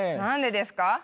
何でですか？